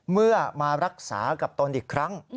มารักษากับตนอีกครั้ง